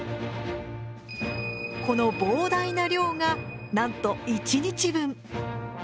この膨大な量がなんと１日分。